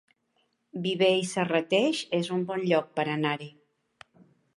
Viver i Serrateix es un bon lloc per anar-hi